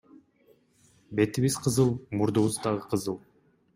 Бетибиз кызыл, мурдубуз дагы кызыл.